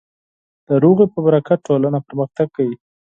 د سولې په برکت ټولنه پرمختګ کوي.